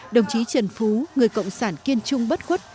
đồng chí trần phú người cộng sản kiên trung bất khuất